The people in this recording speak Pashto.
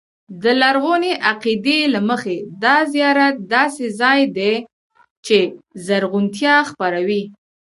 د لرغوني عقیدې له مخې دا زیارت داسې ځای دی چې زرغونتیا خپروي.